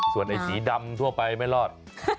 ส่วนไอ้สีดำทั่วไปไม่รอด